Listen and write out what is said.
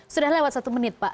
sudah lewat satu menit pak